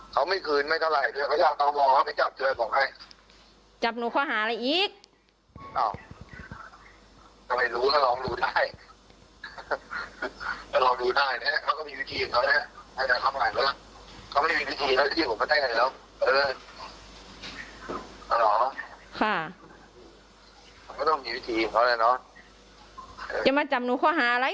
อ๋อค่ะมันก็ต้องมีวิธีอีกแล้วเนี้ยเนอะจะมาจำนูเขาหาอะไร